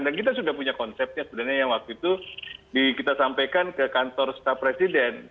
dan kita sudah punya konsepnya sebenarnya yang waktu itu kita sampaikan ke kantor staf presiden